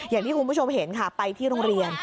อย่างที่คุณผู้ชมเห็นค่ะไปที่โรงเรียน